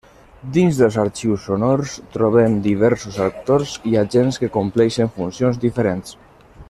Dins dels arxius sonors trobem diversos actors i agents que compleixen funcions diferents.